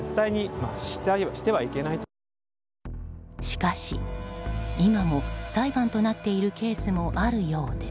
しかし、今も裁判となっているケースもあるようで。